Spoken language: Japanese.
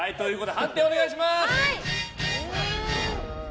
判定、お願いします。